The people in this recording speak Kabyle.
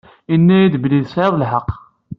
Inna-yid belli tesɛiḍ lḥeq.